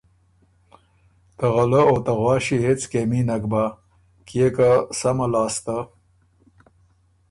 ته غلۀ او ته غواݭی هېڅ کېمي نک بۀ، کيې که سمه لاسته